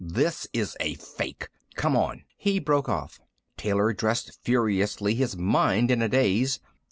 "This is a fake. Come on!" He broke off. Taylor dressed furiously, his mind in a daze.